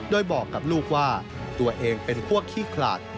โดยบอกกับลูกว่าตัวเองเป็นพวกขี้ขลาด